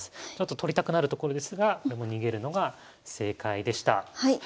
取りたくなるところですがこれも逃げるのが正解でした。